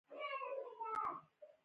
د مالیې کلتور عام شوی؟